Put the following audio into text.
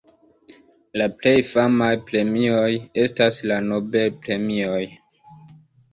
La plej famaj premioj estas la Nobel-premioj.